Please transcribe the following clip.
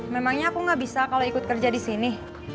memangnya aku nggak bisa kalau ikut kerja di sini